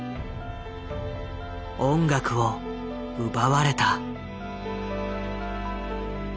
音楽を奪われた。